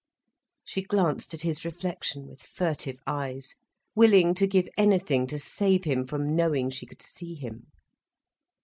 She glanced at his reflection with furtive eyes, willing to give anything to save him from knowing she could see him.